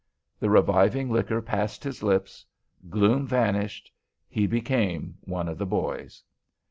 The reviving liquor passed his lips. Gloom vanished. He became one of the boys.